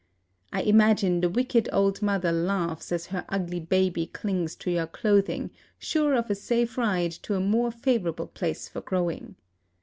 I imagine the wicked old mother laughs as her ugly baby clings to your clothing, sure of a safe ride to a more favorable place for growing.